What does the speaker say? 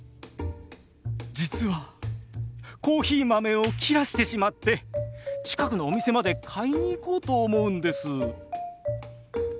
実はコーヒー豆を切らしてしまって近くのお店まで買いに行こうと思うんです。